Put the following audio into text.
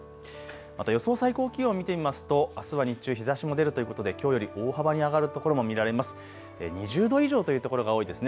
また予想最高気温を見てみますとあすは日中、日ざしも出るということできょうより大幅に上がるところも見られます。